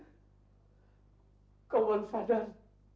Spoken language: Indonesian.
kau tidak sadar